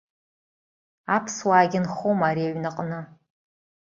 Аԥсуаагьы нхома ари аҩнаҟны?